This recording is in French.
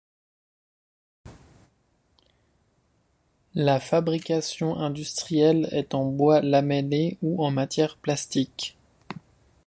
La fabrication industrielle est en bois lamellé ou en matière plastique.